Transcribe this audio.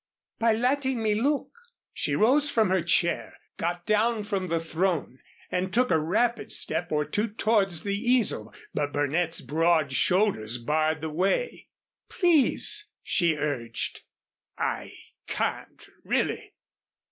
"By letting me look." She rose from her chair, got down from the throne and took a rapid step or two towards the easel. But Burnett's broad shoulders barred the way. "Please," she urged. "I can't, really."